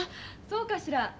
そうかしら？